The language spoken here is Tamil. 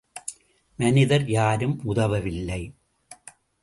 மனிதர் யாரும் உதவவில்லை.